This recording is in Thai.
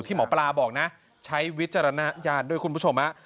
หมอปลาบอกนะใช้วิจารณญาณด้วยคุณผู้ชมฮะ